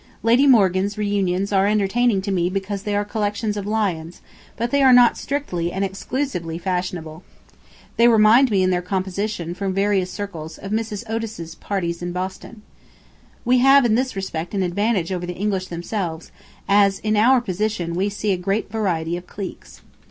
. Lady Morgan's reunions are entertaining to me because they are collections of lions, but they are not strictly and exclusively fashionable. They remind me in their composition from various circles of Mrs. Otis's parties in Boston. We have in this respect an advantage over the English themselves, as in our position we see a great variety of cliques.